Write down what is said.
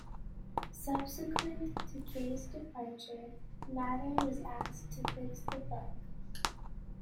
Subsequent to Kaye's departure, Nather was asked to fix the bug.